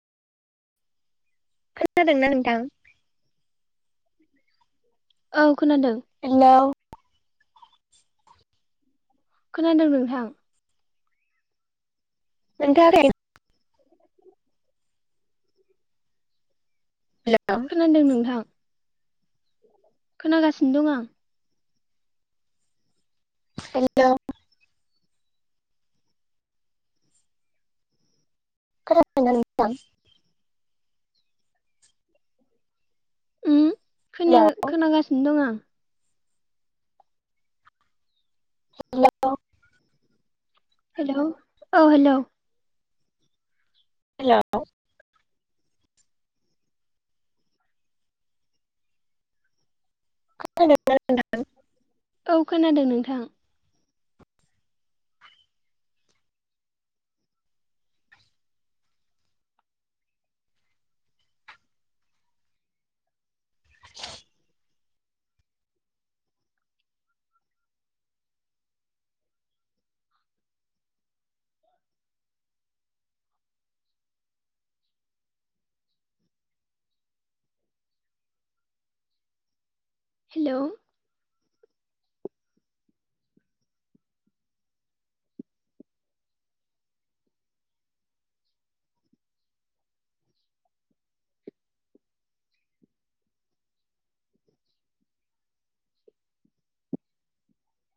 खोनादोंना नोंथां औ खोनादों हेलौ खोनादों नोंथां। मोन [unintelligible] हेलौ खोनादों नोंथां। खोनागासिनो दं आं हेलौ खोनादोंना नोंथां उम खोना हेलौ खोनागासिनो दं आं हेलौ हेल' औ हेल' हेलौ [unintelligible] औ खोनादों नोंथां हेल'